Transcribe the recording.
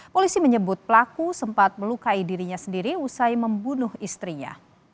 polisi menyebut pelaku sempat melukai dirinya sendiri usai membunuh istrinya